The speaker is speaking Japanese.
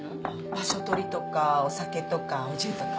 場所取りとかお酒とかお重とか。